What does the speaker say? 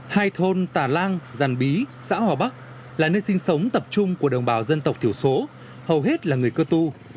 hai thôn tà lang giàn bí xã hòa bắc là nơi sinh sống tập trung của đồng bào dân tộc thiểu số hầu hết là người cơ tu